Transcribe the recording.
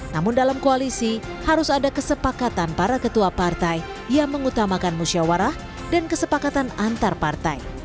namun dalam koalisi harus ada kesepakatan para ketua partai yang mengutamakan musyawarah dan kesepakatan antar partai